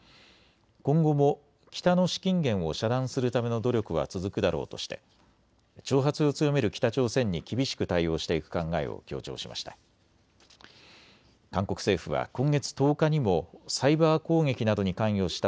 今後も北の資金源を遮断するための努力は続くだろうとして挑発を強める北朝鮮に厳しく対応していく考えを強調しました。